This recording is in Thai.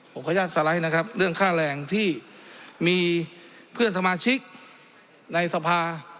ผมขออนุญาตสไลด์นะครับเรื่องค่าแรงที่มีเพื่อนสมาชิกในสภา